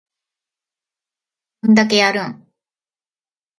どんだけやるん